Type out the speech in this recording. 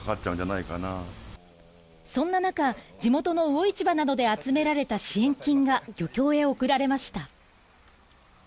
そんな中、地元の魚市場などで集められた支援金が漁協へ贈られました。